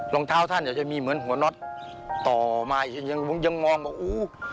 รองเท้าท่านเนี่ยจะมีเหมือนหัวน็อตต่อมายังมองว่าอู้